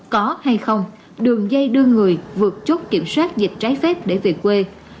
có hay không đường dây đưa người vượt chốt kiểm soát dịch trái phép để về quê